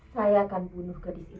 saya akan bunuh gede itu